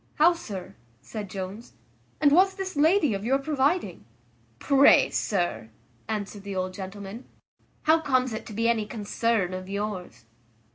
"How, sir," said Jones, "and was this lady of your providing?" "Pray, sir," answered the old gentleman, "how comes it to be any concern of yours?"